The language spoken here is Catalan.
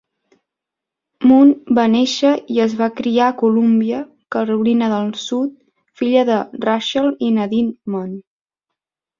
Munn va néixer i es va criar a Columbia, Carolina del Sud, filla de Russell i Nadine Munn.